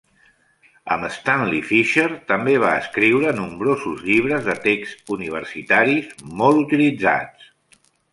Amb Stanley Fischer també va escriure nombrosos llibres de text universitaris molt utilitzats.